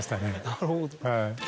なるほど。